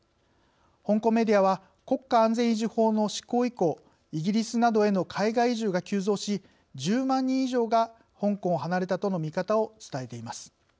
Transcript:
香港メディアは国家安全維持法の施行以降イギリスなどへの海外移住が急増し１０万人以上が香港を離れたとの見方を伝えています。